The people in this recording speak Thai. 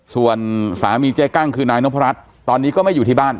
ส่วนสามีเจ๊กั้งคือนายนพรัชตอนนี้ก็ไม่อยู่ที่บ้าน